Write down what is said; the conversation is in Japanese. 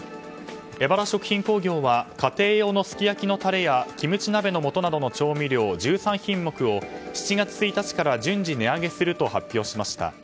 エバラ食品工業は家庭用のすき焼のたれやキムチ鍋の素などの調味料１３品目を７月１日から順次値上げすると発表しました。